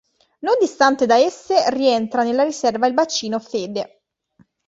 Non distante da esse, rientra nella riserva il bacino Fede.